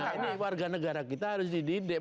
ini warga negara kita harus dididik